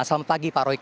selamat pagi pak royke